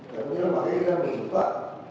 dan makanya kita minta